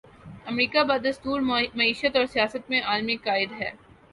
امریکہ بدستور معیشت اور سیاست میں عالمی قائد ہے۔